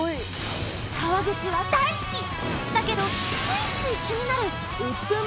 川口は大好きだけどついつい気になるウップン